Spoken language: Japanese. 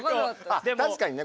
あ確かにね